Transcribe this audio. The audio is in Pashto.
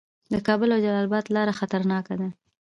د کابل او جلال اباد لاره خطرناکه ده